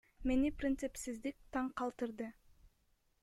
Мени принципсиздик таң калтырды.